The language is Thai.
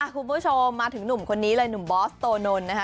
คุณผู้ชมมาถึงหนุ่มคนนี้เลยหนุ่มบอสโตนนท์นะคะ